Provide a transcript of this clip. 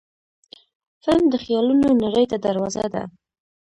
فلم د خیالونو نړۍ ته دروازه ده